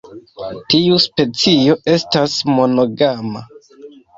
Tiu specio estas monogama.